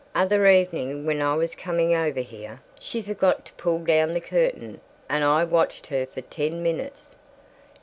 Other evening when I was coming over here, she'd forgot to pull down the curtain, and I watched her for ten minutes.